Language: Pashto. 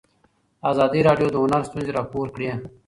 ازادي راډیو د هنر ستونزې راپور کړي.